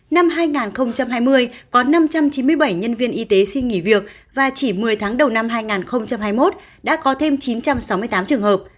năm hai nghìn hai mươi có năm trăm chín mươi bảy nhân viên y tế xin nghỉ việc và chỉ một mươi tháng đầu năm hai nghìn hai mươi một đã có thêm chín trăm sáu mươi tám trường hợp